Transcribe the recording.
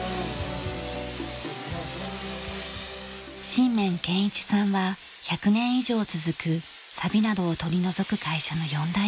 新免謙一さんは１００年以上続くさびなどを取り除く会社の４代目社長。